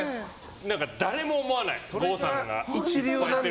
誰も思わない、郷さんが。